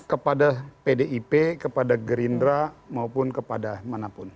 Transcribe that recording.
kepada pdip kepada gerindra maupun kepada manapun